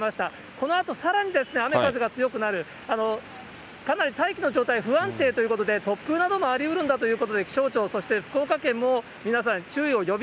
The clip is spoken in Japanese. このあとさらに雨風強くなる、かなり大気の状態が不安定ということで、突風などもありうるんだということで、気象庁、そして福岡県も皆さん